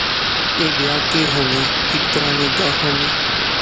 ایہہ بیاہ کہیہ ہونے ہیک طرح نے گاہ ہونے